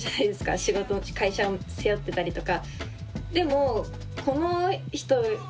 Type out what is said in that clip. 仕事会社を背負ってたりとか。